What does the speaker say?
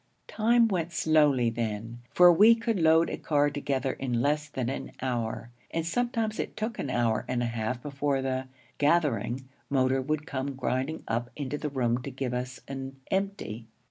Time went slowly then, for we could load a car together in less than an hour; and sometimes it took an hour and a half before the 'gathering' motor would come grinding up into the room to give us an 'empty.'